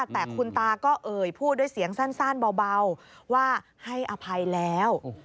แต่คุณตาก็เอ่ยพูดด้วยเสียงสั้นเบาว่าให้อภัยแล้ว